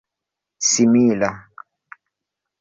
simila